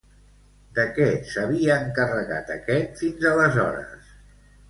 De què s'havia encarregat aquest fins aleshores?